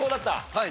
はい。